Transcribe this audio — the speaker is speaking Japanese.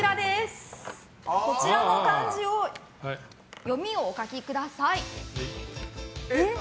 こちらの漢字を読みをお書きください。